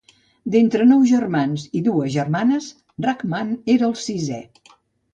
D'entre nou germans i dues germanes, Rahman era el sisè.